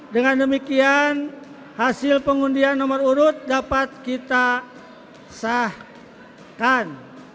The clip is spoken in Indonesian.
dengan demikian hasil pengundian nomor urut dapat kita sahkan